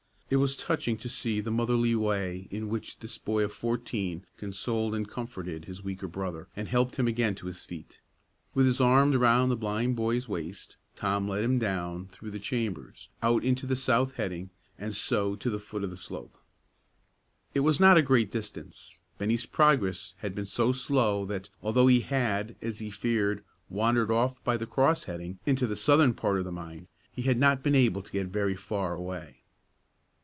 It was touching to see the motherly way in which this boy of fourteen consoled and comforted his weaker brother, and helped him again to his feet. With his arm around the blind boy's waist, Tom led him down, through the chambers, out into the south heading, and so to the foot of the slope. It was not a great distance; Bennie's progress had been so slow that, although he had, as he feared, wandered off by the cross heading into the southern part of the mine, he had not been able to get very far away.